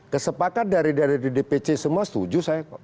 kesepakatan dari ddpc semua setuju saya